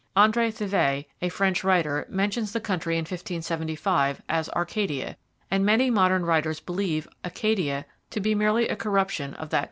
Andre Thivet, a French writer, mentions the country in 1575 as Arcadia; and many modern writers believe Acadia to be merely a corruption of that classic name.